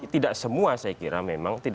tidak semua saya kira memang